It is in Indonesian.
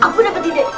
aku dapat ide